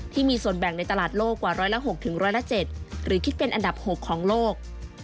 ที่มีส่วนแบ่งในตลาดโลกกว่าร้อยละ๖๑๐๗หรือคิดเป็นอันดับ๖ของโลก